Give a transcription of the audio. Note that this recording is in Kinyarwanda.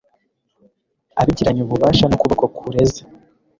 abigiranye ububasha n’ukuboko kureze